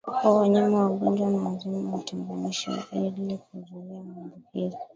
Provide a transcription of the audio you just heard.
Wanyama wagonjwa na wazima watenganishwe ili kuzuia maambukizi